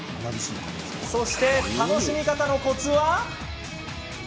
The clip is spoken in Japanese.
そして、楽しみ方のコツは？